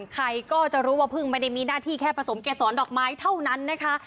ใครก็จะรู้ว่าพึ่งไม่ได้มีหน้าที่แค่ผสมเกษรดอกไม้เท่านั้นนะคะ